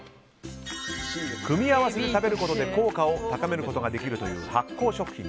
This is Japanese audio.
組み合わせて食べることで効果を高めることができるという発酵食品。